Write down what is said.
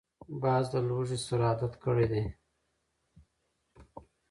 باز له لوږې سره عادت کړی دی